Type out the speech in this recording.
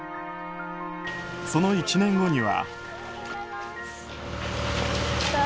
その１年後には。